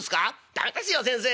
駄目ですよ先生